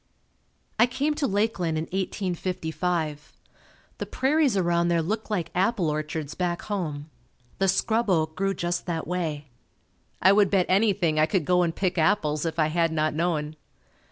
I came to Lakeland in 1855. The prairies around there looked like apple orchards back home. The scrub oak grew just that way. I would bet anything I could go and pick apples if I had not known.